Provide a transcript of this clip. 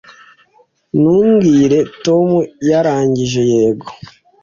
Ntumbwire Tom yarangije yego